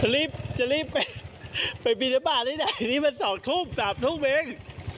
รีบจะรีบไปไปบินทะบาทได้ไหนนี่มันสองทุ่มสามทุ่มเอง